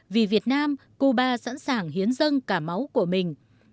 vì việt nam cuba sẵn sàng hiến dân cả máu của mình